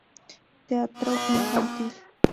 Teatro infantil